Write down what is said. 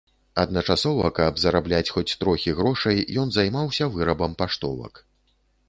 Адначасова, каб зарабляць хоць трохі грошай, ён займаўся вырабам паштовак.